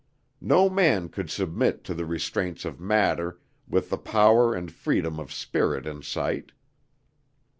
No man could submit to the restraints of matter, with the power and freedom of spirit in sight.